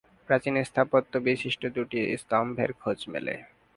প্রাচীন স্থাপত্য বিশিষ্ট দুটি স্তম্ভের খোঁজ মেলে।